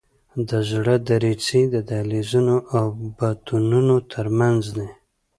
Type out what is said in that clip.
د زړه دریڅې د دهلیزونو او بطنونو تر منځ دي.